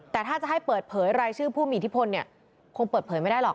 แต่ถ้าจะให้เปิดเผยรายชื่อผู้มีอิทธิพลเนี่ยคงเปิดเผยไม่ได้หรอก